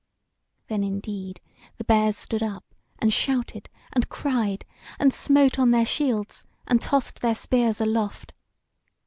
Then, indeed, the Bears stood up, and shouted and cried, and smote on their shields, and tossed their spears aloft.